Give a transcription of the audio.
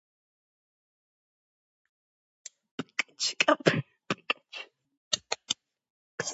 პრეზიდენტი არის გაიანას სახელმწიფოს მეთაური.